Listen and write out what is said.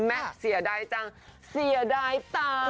แม่เสียใดจังเสียใดตัง